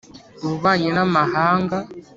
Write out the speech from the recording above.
ububanyi n Amahanga